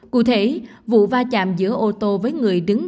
cụ thể vụ va chạm giữa ô tô với người đứng